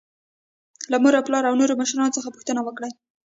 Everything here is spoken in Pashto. له مور او پلار او نورو مشرانو څخه پوښتنه وکړئ.